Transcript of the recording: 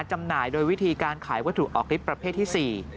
จำหน่ายโดยวิธีการขายวัตถุออกฤทธิประเภทที่๔